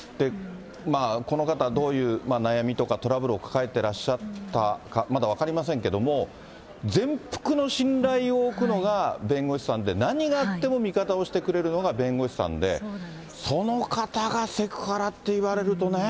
この方、どういう悩みとかトラブルを抱えてらっしゃったか、まだ分かりませんけども、全幅の信頼を置くのが弁護士さんで、何があっても味方をしてくれるのが弁護士さんで、その方がセクハラって言われるとね。